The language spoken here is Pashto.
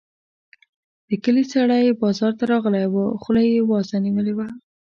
د کلي سړی بازار ته راغلی وو؛ خوله يې وازه نيولې وه.